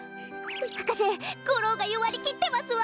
はかせゴローがよわりきってますわ。